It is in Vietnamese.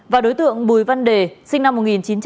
và đối tượng bùi văn đề sinh năm